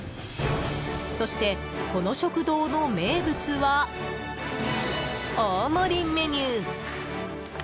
そして、この食堂の名物は大盛りメニュー。